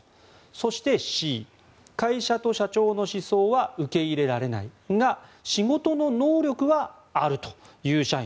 そしてＣ、会社と社長の思想は受け入れられないが仕事の能力はあるという社員。